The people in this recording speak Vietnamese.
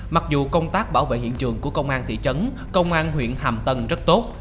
mặc dù công tác bảo vệ hiện trường của công an thị trấn công an huyện hàm tân rất tốt